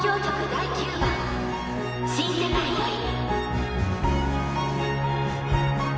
第９番「新世界より」。